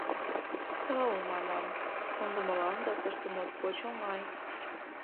— Тау, — манам, — кондымыланда, тыште моткоч оҥай.